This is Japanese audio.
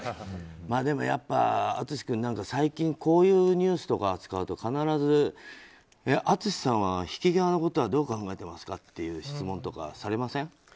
でも、やっぱ淳君最近、こういうニュースを扱うと必ず、淳さんは引き際のことはどう考えてますかっていう質問とかされません？